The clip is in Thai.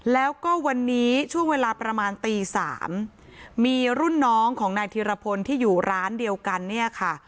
แล้วก็วันนี้ช่วงเวลาประมาณตีสามมีรุ่นน้องของนายธิรพลที่อยู่ร้านเดียวกันเนี่ยค่ะ